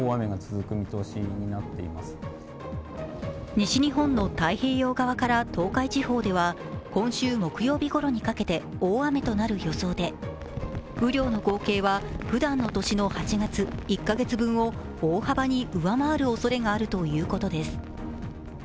西日本の太平洋側から東海地方では、今週木曜日ごろにかけて、大雨となる予想で雨量の合計はふだんの年の８月１か月分を大幅に上回るおそれがあるということです。